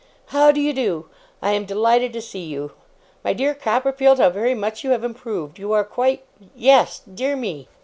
How do you do? I am delighted to see you. My dear Copperfield, how very much you have improved! You are quite yes dear me!